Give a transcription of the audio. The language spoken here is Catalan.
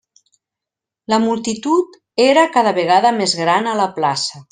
La multitud era cada vegada més gran a la plaça.